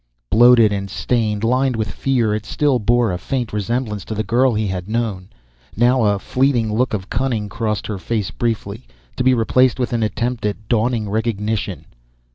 Bloated and stained, lined with fear, it still bore a faint resemblance to the girl he had known. Now a fleeting look of cunning crossed her face briefly, to be replaced with an attempt at dawning recognition.